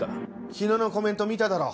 日野のコメント見ただろ。